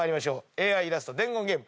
ＡＩイラスト伝言！スタート。